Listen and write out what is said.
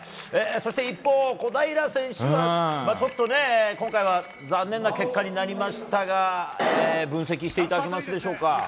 そして一方、小平選手はちょっと今回は残念な結果になりましたが分析していただけますでしょうか。